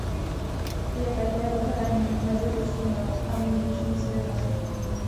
Je také rozhraním mezi rostlinou a vnějším světem.